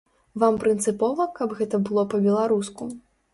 Вам прынцыпова, каб гэта было па-беларуску?